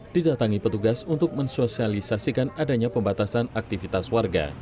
didatangi petugas untuk mensosialisasikan adanya pembatasan aktivitas warga